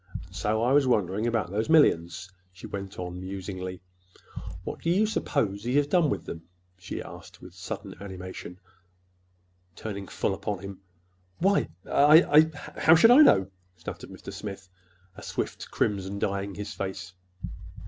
And so I was wondering—about those millions," she went on musingly. "What do you suppose he has done with them?" she asked, with sudden animation, turning full upon him. "Why, I—I—How should I know?" stuttered Mr. Smith, a swift crimson dyeing his face.